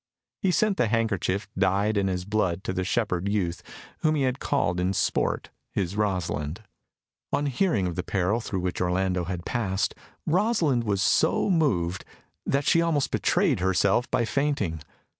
He sent the handkerchief dyed in his blood to the shepherd youth whom he had called in sport his Rosalind. On hearing of the peril through which Orlando had passed, Rosalind was so moved that she almost betrayed herself by fainting.